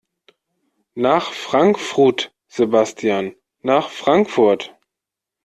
Nach Frankfrut Sebastian, nach Frankfurt!